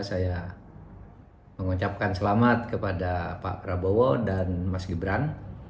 saya mengucapkan selamat kepada pak prabowo dan mas gibran